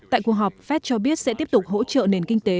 tại cuộc họp fed cho biết sẽ tiếp tục hỗ trợ nền kinh tế